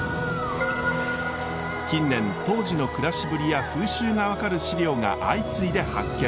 近年当時の暮らしぶりや風習が分かる資料が相次いで発見。